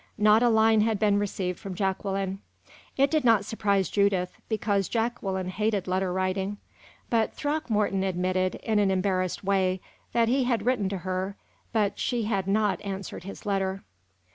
Not a line had been received from Jacqueline. It did not surprise Judith, because Jacqueline hated letter writing; but Throckmorton admitted, in an embarrassed way, that he had written to her, but she had not answered his letter.